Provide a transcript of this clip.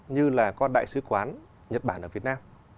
như là con đại sứ quán nhật bản ở việt nam